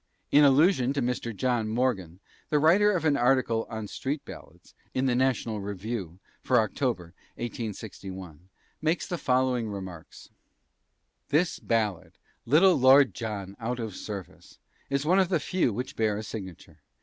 In allusion to Mr. John Morgan, the writer of an article on "Street Ballads" in the National Review for October, 1861, makes the following remarks: "This ballad 'Little Lord John out of Service' is one of the few which bear a signature.